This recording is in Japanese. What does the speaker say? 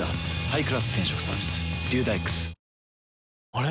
あれ？